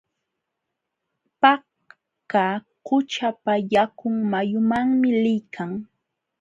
Paka qućhapa yakun mayumanmi liykan.